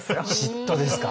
嫉妬ですか。